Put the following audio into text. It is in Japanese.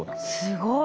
すごい。